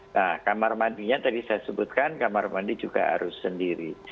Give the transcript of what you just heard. nah kamar mandinya tadi saya sebutkan kamar mandi juga harus sendiri